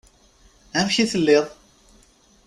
Amek i telliḍ?